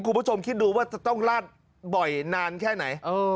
คุณผู้ชมคิดดูว่าจะต้องลาดบ่อยนานแค่ไหน